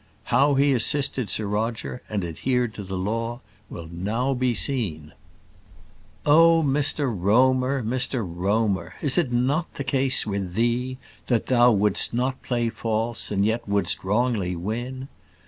How he assisted Sir Roger, and adhered to the law, will now be seen. Oh, Mr Romer! Mr Romer! is it not the case with thee that thou "wouldst not play false, and yet wouldst wrongly win?"